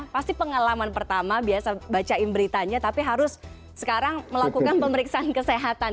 pasti pengalaman pertama biasa bacain beritanya tapi harus sekarang melakukan pemeriksaan kesehatan